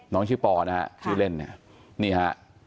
น้องชื่อปอนะครับชื่อเล่นนี่ฮะ